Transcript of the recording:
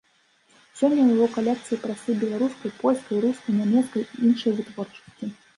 Сёння ў яго калекцыі прасы беларускай, польскай, рускай, нямецкай і іншай вытворчасці.